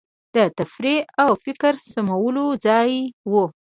د تفریح او فکر سمولو ځای وو.